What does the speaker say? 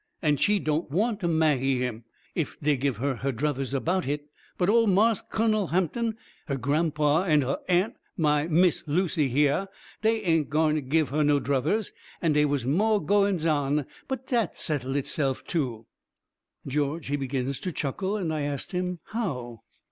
An' she don' want to ma'hy him, if dey give her her druthers about hit. But Ol' Marse Kunnel Hampton, her gram pa, and her aunt, MY Miss Lucy hyah, dey ain't gwine give her no druthers. And dey was mo' gwines ON. But dat settle HITse'f, too." George, he begins to chuckle, and I ast him how.